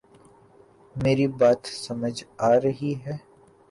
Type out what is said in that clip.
میری بات سمجھ آ رہی ہے